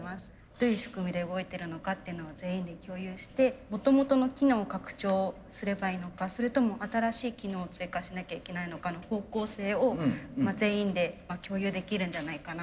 どういう仕組みで動いてるのかっていうのを全員で共有してもともとの機能拡張をすればいいのかそれとも新しい機能を追加しなきゃいけないのかの方向性を全員で共有できるんじゃないかなと思いました。